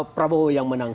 apakah jokowi yang menang